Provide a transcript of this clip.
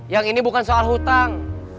yang ini bukan soal hutang